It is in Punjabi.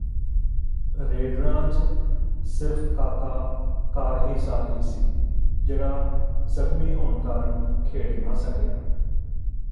ਰੇਡਰਾਂ ਚ ਸਿਰਫ਼ ਕਾਕਾ ਕਾਰ੍ਹੀ ਸਾਰ੍ਹੀ ਸੀ ਜਿਹੜਾ ਜ਼ਖਮੀ ਹੋਣ ਕਾਰਨ ਖੇਡ ਨਾ ਸਕਿਆ